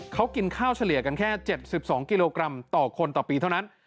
เขากินข้าวเฉลี่ยกันแค่๗๒กิโลกรัมต่อคนต่อปีเท่านั้น